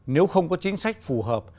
nếu không có chính sách phù hợp